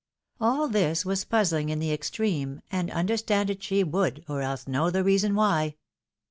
AH this was puzzhng in the extreme, and understand it she would, or else know the reason why.